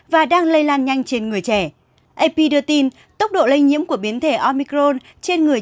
và đang lây lan nhanh trên người trẻ ap đưa tin tốc độ lây nhiễm của biến thể omicron trên người